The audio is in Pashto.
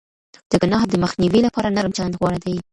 د گناه د مخنيوي لپاره نرم چلند غوره دی.